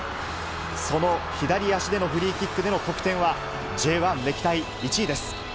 その左足でのフリーキックでの得点は、Ｊ１歴代１位です。